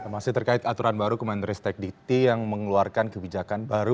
masih terkait aturan baru kementerian stek dikti yang mengeluarkan kebijakan baru